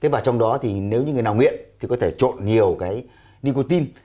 và trong đó thì nếu như người nào nguyện thì có thể trộn nhiều cái nicotine